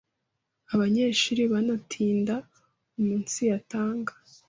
abanyeshuri banatinda umunsiyatanga